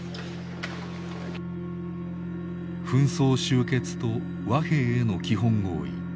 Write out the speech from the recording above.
紛争終結と和平への基本合意